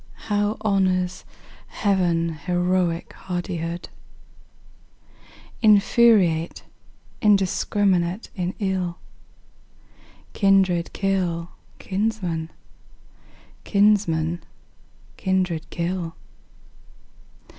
How honors Heaven heroic hardihood! Infuriate, indiscrminate in ill, Kindred kill kinsmen, kinsmen kindred kill.